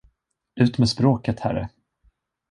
Ut med språket, herre!